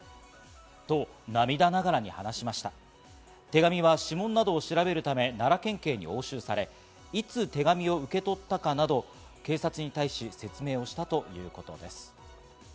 手紙は指紋などを調べるため奈良県警に押収され、いつ手紙を受け取ったかなど、警察に対し説明をしたということです。